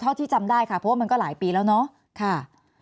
เพราะว่ามันก็หลายปีแล้วเนอะ